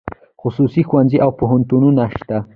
خصوصي ښوونځي او پوهنتونونه شته